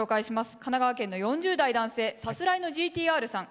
神奈川県の４０代・男性さすらいのＧＴ−Ｒさん。